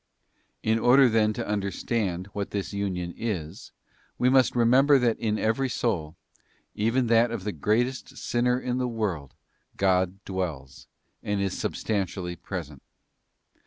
In order then to understand what this union is, we must remember that in every soul, even that of the greatest sinner in the world, God dwells, and is substantially present.